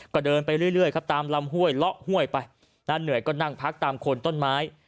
ก็เดินไปเรื่อยครับตามลำห้วยเลาะห้วยไปเหนื่อยก็นั่งพักตามคนต้นไม้